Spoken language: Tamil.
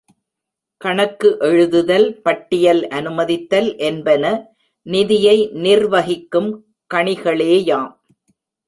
கணக்கு எழுதுதல், பட்டியல் அனுமதித்தல் என்பன நிதியை நிர்வகிக்கும் கணிகளேயாம்.